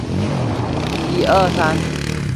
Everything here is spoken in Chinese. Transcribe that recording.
疏羽碎米蕨为中国蕨科碎米蕨属下的一个种。